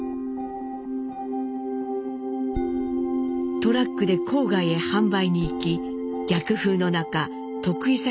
トラックで郊外へ販売に行き逆風の中得意先を増やしたといいます。